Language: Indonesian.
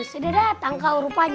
sudah datang kau rupanya